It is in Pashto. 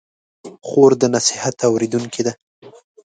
خور د نصیحت اورېدونکې ده.